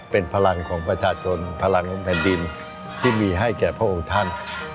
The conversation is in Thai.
เป็นพลังของประชาชนพลังของแผ่นดินที่มีให้แก่พระองค์ท่าน